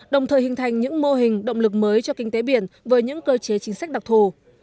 đồng thời hình thành những mô hình động lực mới cho kinh tế biển với những cơ chế chính sách đặc thù